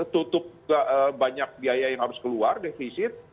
tutup banyak biaya yang harus keluar defisit